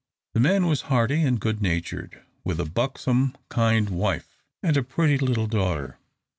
The man was hearty and good natured, with a buxom, kind wife, and a pretty little daughter.